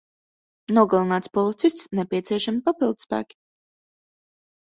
Nogalināts policists. Nepieciešami papildspēki.